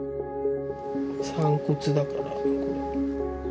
散骨だから。